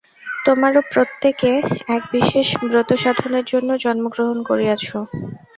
তোমরাও প্রত্যেকে এক বিশেষ ব্রতসাধনের জন্য জন্মগ্রহণ করিয়াছ।